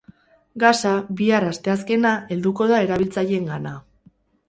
Gasa bihar, asteazkena, helduko da erabiltzaileengana.